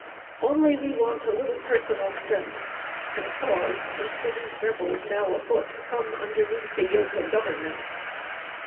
Only we want a little personal strength, And pause until these Rebels, now afoot, Come underneath the yoke of Government.